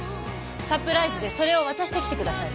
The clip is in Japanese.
サプライズでそれを渡してきてください